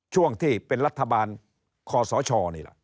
ช่วงที่เป็นรัฐบาลคอสชนี่ล่ะ